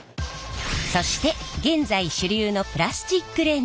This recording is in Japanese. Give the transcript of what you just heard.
そして現在主流のプラスチックレンズ。